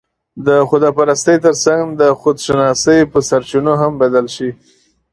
د خدا پرستۍ تر څنګ، د خودشناسۍ په سرچينو هم بدل شي